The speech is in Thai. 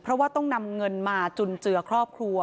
เพราะว่าต้องนำเงินมาจุนเจือครอบครัว